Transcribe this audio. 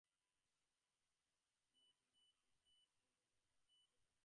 এবারকার মতো আমাকে মাপ করো, হে আমার প্রভু।